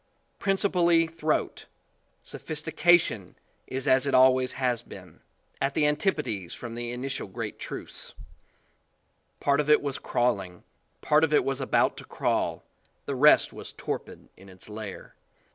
Principally throat, sophistication is as it al ways has been at the antipodes from the init ial great truths. "Part of it was crawling, part of it was about to crawl, the rest was torpid in its lair."